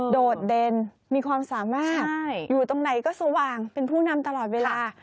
โดดเด่นมีความสามารถอยู่ตรงไหนก็สว่างเป็นผู้นำตลอดเวลา